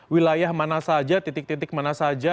wilayah mana saja titik titik mana saja